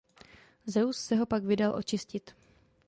Zeus se ho pak vydal očistit.